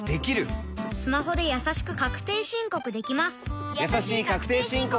スマホでやさしく確定申告できます